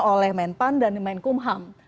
oleh men pan dan men kumham